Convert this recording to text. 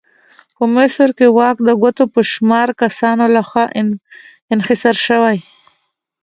په مصر کې واک د ګوتو په شمار کسانو لخوا انحصار شوی.